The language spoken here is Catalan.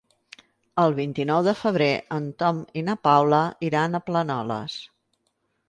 El vint-i-nou de febrer en Tom i na Paula iran a Planoles.